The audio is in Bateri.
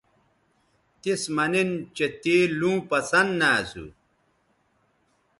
تِس مہ نن چہء تے لوں پسند نہ اسو